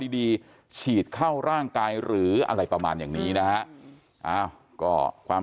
ดีฉีดเข้าร่างกายหรืออะไรประมาณอย่างนี้นะฮะก็ความ